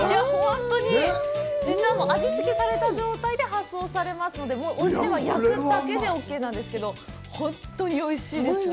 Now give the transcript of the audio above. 味付けされた状態で発送されますので、おうちでは焼くだけでオーケーなんですけど、本当においしいですね。